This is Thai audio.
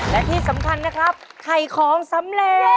และที่สำคัญนะครับไข่ของสำเร็จ